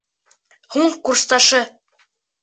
Һуң курсташы.